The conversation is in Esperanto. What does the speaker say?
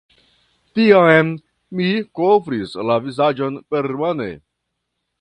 Tiam mi kovris la vizaĝon permane.